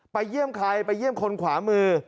เยี่ยมใครไปเยี่ยมคนขวามือ